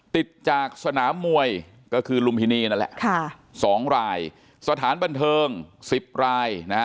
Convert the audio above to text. ติดจากสนามมวยก็คือลุมพินีนั่นแหละค่ะสองรายสถานบันเทิงสิบรายนะฮะ